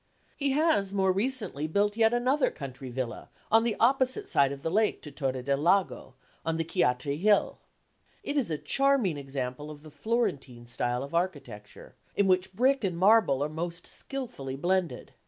He has more recently built yet another country villa on the opposite side of the lake to Torre del Lago, on the Chiatri Hill. It is a charming example of the Florentine style of architecture, in which brick and marble are most skilfully blended.